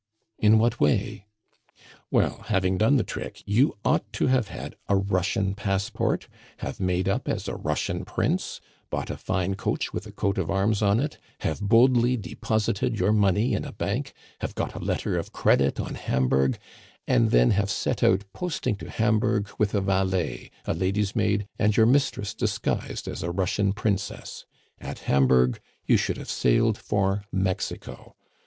"In what way?" "Well, having done the trick, you ought to have had a Russian passport, have made up as a Russian prince, bought a fine coach with a coat of arms on it, have boldly deposited your money in a bank, have got a letter of credit on Hamburg, and then have set out posting to Hamburg with a valet, a ladies' maid, and your mistress disguised as a Russian princess. At Hamburg you should have sailed for Mexico.